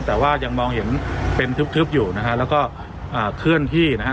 แต่ว่ายังมองเห็นเป็นทึบอยู่นะฮะแล้วก็เคลื่อนที่นะฮะ